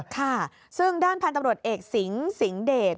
ค่ะซึ่งด้านพันธุ์ตำรวจเอกสิงสิงห์เดช